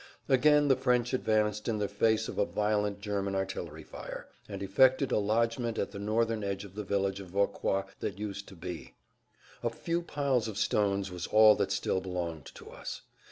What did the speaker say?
Again the French advanced in the face of a[Pg 174] violent German artillery fire, and effected a lodgment at the northern edge of the village of Vauquois that used to be. A few piles of stones was all that still belonged to us.